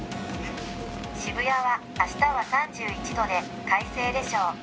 「渋谷はあしたは３１度で快晴でしょう」。